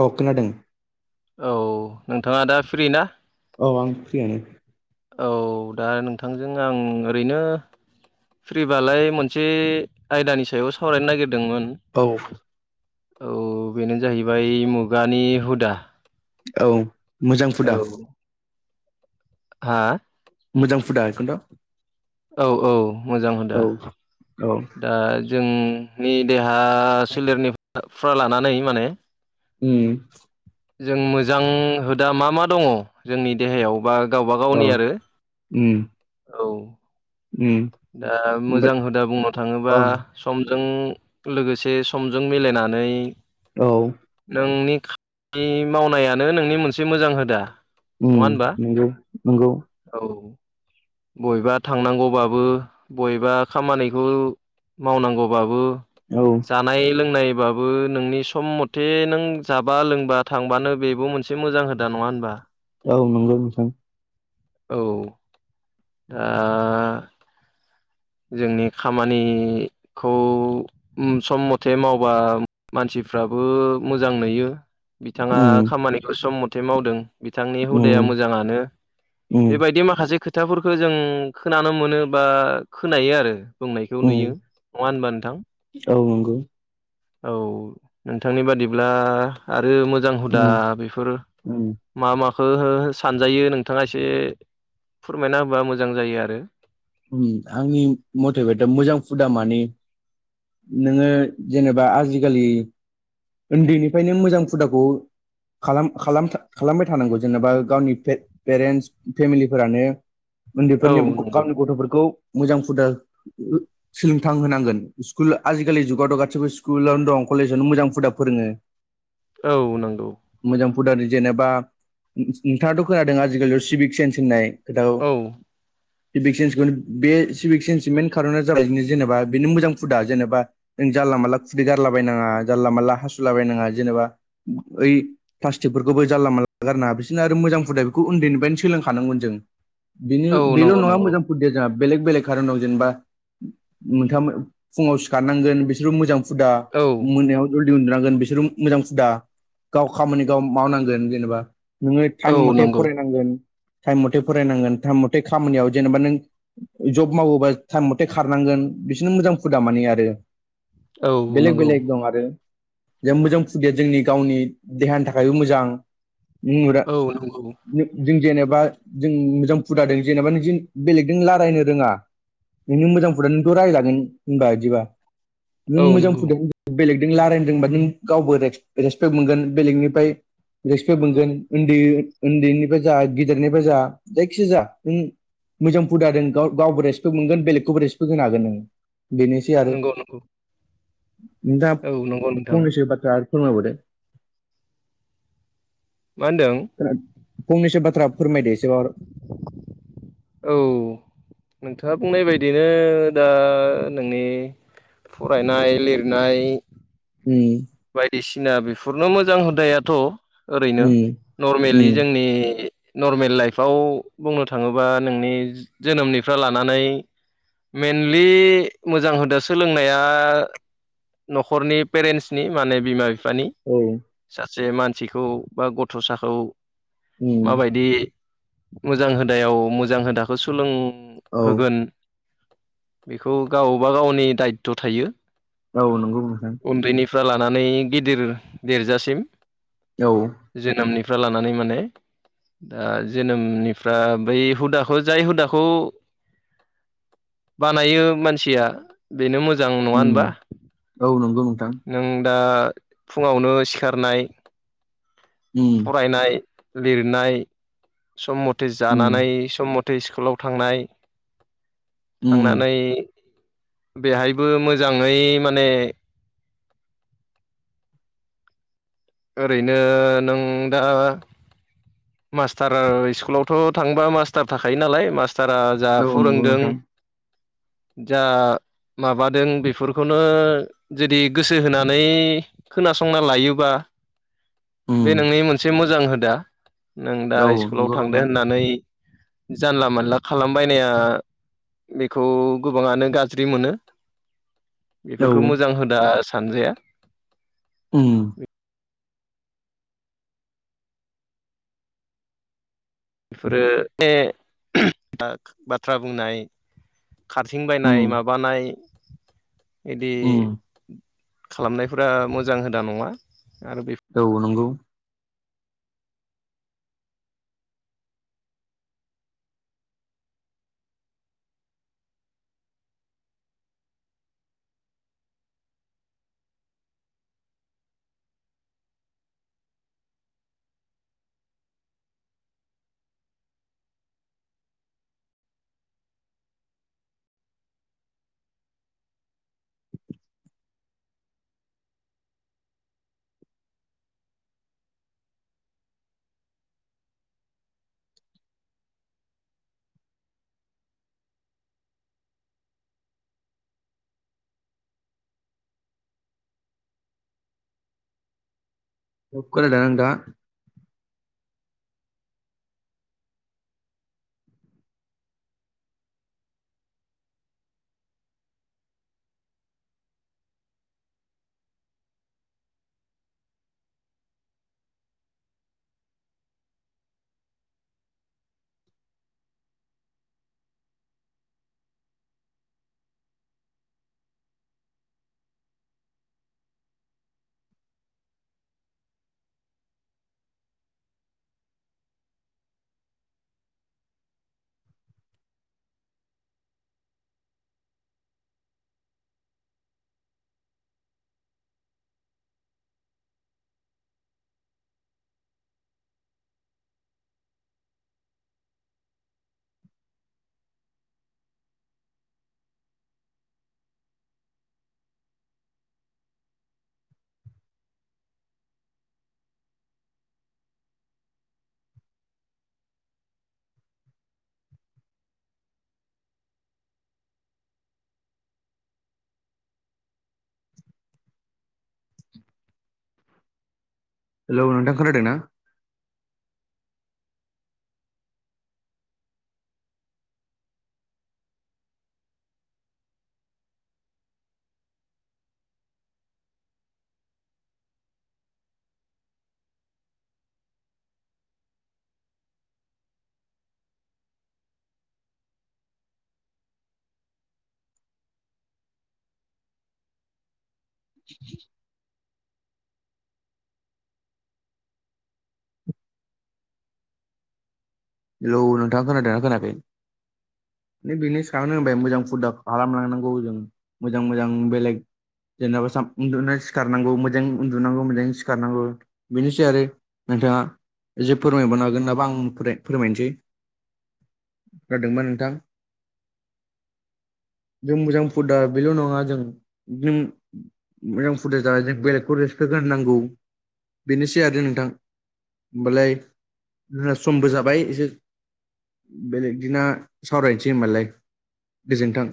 औ खोनादों। औ नोंथाङा दा फ्रि ना? औ आं फ्रियानो। औ दा नोंथांजों आं ओरैनो फ्रिबालाय मोनसे आयदानि सायाव सावरायनो नागिरदोंमोन। औ। औ बेनो जाहैबाय मुगानि हुदा औ मोजां औ फुदा। हा? मोजां फुदा एखानथ' औ औ मोजां हुदा औ दा जोंनि देहा सोलेरनिफ्रा लानानै माने उम्म। जों मोजां होदा मा मा दङ जोंनि देहायाव बा गावबा गावनि आरो। उम्म। औ दा मोजां ओमफ्राय हुदा बुंनो थाङोबा अ समजों लोगोसे समजों मिलायनानै औ। नोंनि खामानि मावनायानो नोंनि मोनसे मोजां होदा ‌। उम्म नोंगौ नंगौ। औ। बयबा थांनांगौबाबो बयबा खामानिखौ मावनांगौबाबो औ। जानाय लोंनायबाबो नोंनि सम मथे नों जाबा लोंबा थांबानो बेबो मोन से मोजां होदा नङा होनबा? औ नंगौ नोंथां। औ। [inaudible] जोंनि खामानिखौ उम सम मथे मावबा मानसिफ्राबो मोजां नुयो। बिथाङा उम खामानिखौ सम मथे मावदों बिथांनि उम हुदाया मोजाङानो उम बेबायदि माखासे खोथाफोरखौ जों खोनानो मोनो बा खोनायो आरो बुंनायखौ उम नुयो नङा होनबा नोंथां? औ नंगौ। औ नोंथांनि बादिब्ला आरो मोजां हुदा उम बेफोर उम मा माखौ सानजायो नोंथाङा एसे फोरमायना होबा मोजां जायो आरो उम आंनि मथेबथ' मोजां फुदा माने नोङो जेनेबा आजिखालि उन्दैनिफ्रायनो मोजां हुदाखौ खालाम खालाम खालामबाय थानांगौ जेनेबा गावनि पेट पेरेन्टस फेमिलिफोरानो औ उन्दैफोरनि नंगौ गावनि गथ'फोरखौ मोजां हुदा सोलोंथां होनांगोन स्कुल आजिखालि जुगावथ' गासिबो स्कुलावनो दं कलेजावनो मोजां फुदा फोरङो औ नंगौ। मोजां फुदारि जेनेबा नोंथाङाथ' खोनादों आजिखालियाव सिभिक सेन्स होननाय गोदउ औ सिभिक सेन्सखौ बे सिभिक सेन्सनि मेन कार'ना जाबाय जेनेबा बेनो मोजां फुदा जेनेबा जानला मानला खुदै गारलाबायायनाङा जानला मानला हासुलाबायनाङा जेनेबा ओइ प्लास्टिकफोरखौबो जानला मानला गारनाङा बिसोरनो आरो मोजां फुदा बेखौ उन्दैनिफ्रायनो सोलोंखानांगोन जों। बिनि औ बेल' नंगौ नङा नंगौ मोजां या जोंहा बेलेक बेलेग खारनाव जेनेबा मोनथाम फुङाव सिखारनांगोन बिसोरबो मोजां दा औ मोनायाव जलदि उनदु नां बिसोर मोजां हुदा गाव खामानिखौाव मावनांगोन जेनेबा नोङो टाइम औ मथे नंगौ फरायनांगोन टाइम मथे फरायनांगोन टाइम मथे खामानियाव जेनेबा नों जब मावोबा टाइम मथे खारनांगोन बिसोरनो मोजां हुदा माने आरो औ बेलेग नंगौ बेलेग दं आरो। जे मोजां फुदाया जोंनि गावनि देहानि थाखायबो मोजां औ नंगौ [inaudible] जों जेनेबा जों मोजां फुदादों जेनेबा नों बेलेगजों रायलायनो रोङा नोंनो मोजां फुदा नोंथ' रायजलागोन होनबा बिदिबा नों औ मोजां नंगौ फुदों बेलेगजों रायलायदोंबा नों गावबो रेसपेक्ट मोनगोन बेलेगनिफ्राय रिसफेक मोनगोन उन्दै उन्दैनिफ्राय जा गिदिरनिफ्राय जा जायखिया जा मोजां फुदादजों गाव गावबो रेसपेक्ट मोनगोन बेलेगखौबो रेसपेक्ट होन हागोन आ बेनोै ए आरो नंगौ नंगौ नोंथाङा औ नंगौ नोंथां फंनैसो बाथ्रा आरो फोरमायबोदों। मा होनदों? फंनैसो बाथ्रा फोरमायदो एसेबाबो। औ नोंथाङा बुंनाय बायदिनो दा नोंनि फरायनाय लिरनाय उम। बायदिसिना बेफोरनो मोजां हुदायाथ' ओरैनो उम नरमेलि उम जोंनि नर्मेल लाइफआव बुंनो थाङोबा नोंनि जोनोमनिफ्रा लानानै मेनलि मोजां हुदा सोलोंनाया न'खरनि पेरेन्टस नि माने बिमा बिफानि औ। सासे मानसिखौ बा गथ'साखौ उम माबायदि मोजां हुदायाव मोजां हुदाखौ औ सोलोंहोगोन। बेखौ गावबा गावनि दायथ' थायो। औ नंगौ नोंथां। उन्दैनिफ्राय लानानै गिदिर देरजासिम औ जोनोमनिफ्राय लानानै माने दा जोनोमनिफ्रा बै हुदाखौ जाय हुदाखौ बानायो मानसिया बेनो मोजां नङा होनबा? उम औ नंगौ नोंथां। नों दा फुङावनो सिखारनाय उम फायनाय लिरनाय सम मथे उम जानानै सम मथे दै स्कुलाव थांनाय उम थांनानै बेहायबो मोजाङै माने ओरैनो नों दा मास्टार स्कुलावथ' थांबा मास्टार थाखायो नालाय मास्टारा जा औ नंगौ फोरोंदों नोंथां जा माबादों बेफोरखौनो जुदि गोसो होनानै खोनासंना लायोबा बे उम नोंनि मोनसे मोजां हुदा। नों दा औ स्कुलाव नंगौ थांदो नोंथां होननानै जानला मोनला खालामबायनाया बेखौ गोबाङानो गाज्रि मोनो औ बेफोरखौ मोजां होदा सानजाया। उम बेफोरो माने बाथ्रा बुंनाय खारथिं उम बायनाय माबानाय बिदि उम खालामनायफोरा मोजां हुदा नङा आरो बे औ नंगौ। खोनादोना नोंथाङा? हेलौ नोंथां खोनादों ना? बि हेलौ नोंथां खोनादोंना खोनाखै? म बेनो सारनो होनबाय मोजां फुदा खालामलांनांगौ जों मोजां मोजां बेलेग जेनेबा साम उन्दुनानै सिखारनांगौ मोजां उन्दुनांगौ मोजां सिखारनांगौ बेनोसै आरो नोंथाङा जे फोरमायबोनो हागोन नामा आंनिफ्राय फोरमायनोसै जादोंबा नोंथां। जों मोजां फुदा बेल' नङा जों मोजां [unintelligible] बेलेगखौ रेसपेक्ट होननांगौ बेनोसै आरो नोंथां‌। होमबालाय जोङा समबो जाब बाय एसे बेलेगदिना सावरायनोसै होमबालाय गोजोन्थों।